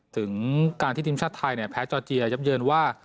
ถึงการที่ทีมชาติไทยแพ้จอร์เจียยับเยินว่า